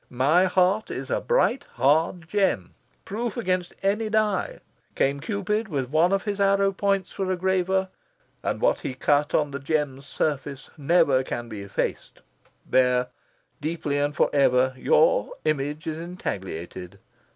My heart is a bright hard gem, proof against any die. Came Cupid, with one of his arrow points for graver, and what he cut on the gem's surface never can be effaced. There, deeply and forever, your image is intagliated.